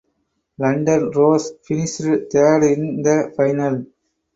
London Roar finished third in the final.